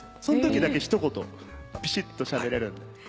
そのときだけ一言びしっとしゃべれるんで。